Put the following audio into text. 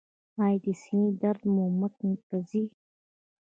ایا د سینې درد مو مټ ته ځي؟